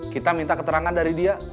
kita minta keterangan dari dia